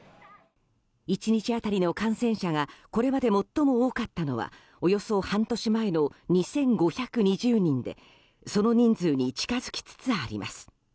１日当たりの感染者がこれまで最も多かったのはおよそ半年前の２５２０人でその人数に近づきつつあります。